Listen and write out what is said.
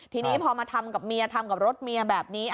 ทีนี้พอมาทำกับเมียทำกับรถเมียแบบนี้